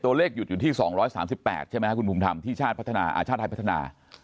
ตัวเลขหยุดอยู่ที่๒๓๘ใช่ไหมครับคุณภูมิธรรมที่ชาติไทยพัฒนา